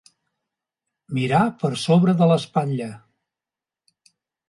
Mirar per sobre de l'espatlla.